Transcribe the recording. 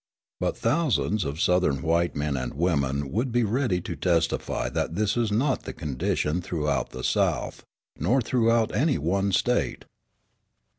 But thousands of Southern white men and women would be ready to testify that this is not the condition throughout the South, nor throughout any one State.